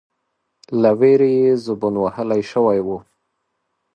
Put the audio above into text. ، له وېرې يې زبون وهل شوی و،